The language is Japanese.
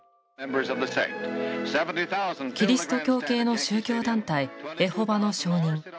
キリスト教系の宗教団体エホバの証人。